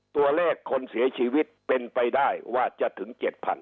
ตัวเลขคนเสียชีวิตเป็นไปได้ว่าจะถึง๗๐๐